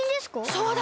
そうだ！